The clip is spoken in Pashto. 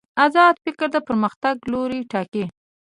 ازاد فکر د پرمختګ لوری ټاکي.